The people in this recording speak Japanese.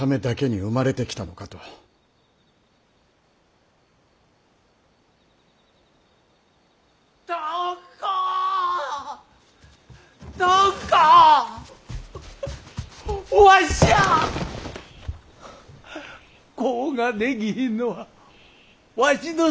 子ができひんのはわしのせいやった！